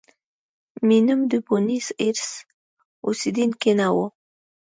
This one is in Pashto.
مینم د بونیس ایرس اوسېدونکی نه و.